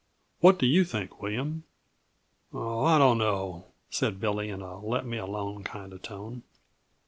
What do you think, William?" "Oh, I dunno," said Billy in a let me alone kind of tone.